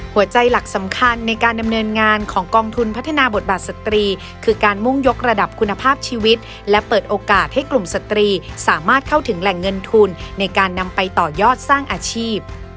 หลักสำคัญในการดำเนินงานของกองทุนพัฒนาบทบาทสตรีคือการมุ่งยกระดับคุณภาพชีวิตและเปิดโอกาสให้กลุ่มสตรีสามารถเข้าถึงแหล่งเงินทุนในการนำไปต่อยอดสร้างอาชีพ